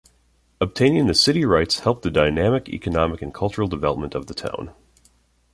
Obtaining the city rights helped the dynamic economic and cultural development of the town.